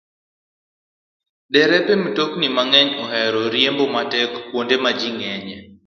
Derepe mtokni mang'eny ohero riembo matek kuonde ma ji ng'enyie.